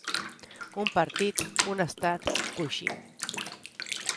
Un partit, un estat, coixí.